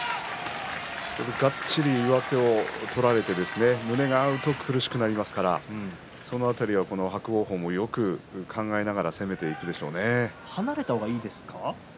がっちり上手を取られて胸が合うと苦しくなりますからその辺りも伯桜鵬もよく考えながら離れた方がいいんですか？